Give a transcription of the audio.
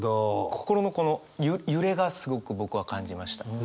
心のこの揺れがすごく僕は感じました。